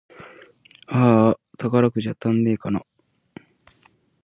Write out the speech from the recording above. あーあ、宝くじ当たんねぇかな